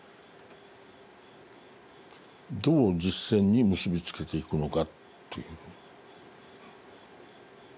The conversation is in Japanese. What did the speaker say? どう実践に結び付けていくのかという。